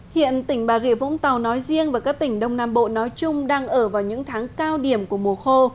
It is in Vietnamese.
hiện tỉnh bà rịa vũng tàu nói riêng và các tỉnh đông nam bộ nói chung đang ở vào những tháng cao điểm của mùa khô